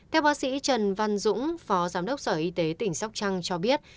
theo bác sĩ trần văn dũng phó giám đốc sở y tế tỉnh sóc trăng cho biết